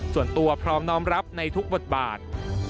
ส่วนตัวพร้อมน้อมรับในทุกบทบาท